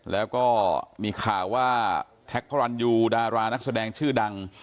แล้วก็มีข่าวว่าแท็กพระรันยูดารานักแสดงชื่อดัง